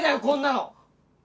こんなの！